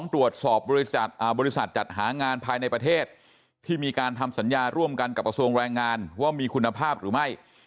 ตรวจสอบบริษัทจัดหางานภายในประเทศที่มีการทำสัญญาร่วมกันกับกระทรวงแรงงานว่ามีคุณภาพหรือไม่